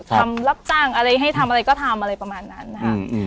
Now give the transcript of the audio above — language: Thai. รับจ้างอะไรให้ทำอะไรก็ทำอะไรประมาณนั้นนะครับ